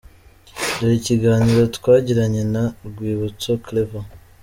Dore ikiganiro twagiranye na Rwibutso Claver:.